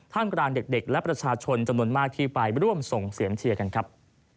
มกลางเด็กและประชาชนจำนวนมากที่ไปร่วมส่งเสียงเชียร์กันครับ